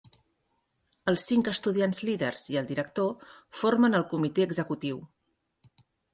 Els cinc estudiants líders i el director formen el comitè executiu.